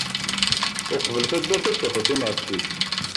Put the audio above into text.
Uqbel taddart ad tafeḍ timɛessit.